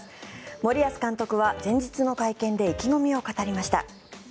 森保監督は前日の会見で意気込みを語りました。